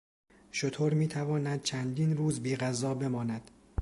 شتر میتواند چندین روز بیغذا بماند.